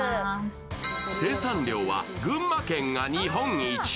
生産量は群馬県が日本一。